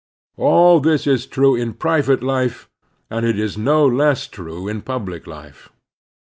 All this is true in private life, and it is no less true in pubUc life.